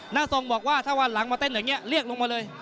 หน้าทรงบอกว่าถ้าวันหลังมาเต้นอย่างนี้เรียกลงมาเลย